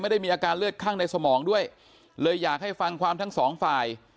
ไม่ได้มีอาการเลือดข้างในสมองด้วยเลยอยากให้ฟังความทั้งสองฝ่าย